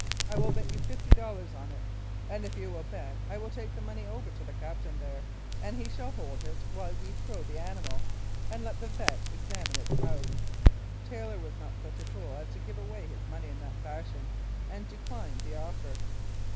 I will bet you fifty dollars on it, and if you will bet I will take the money over to the Captain there, and he shall hold it while we throw the animal and let the vet. examine its mouth." Taylor was not such a fool as to give away his money in that fashion, and declined the offer.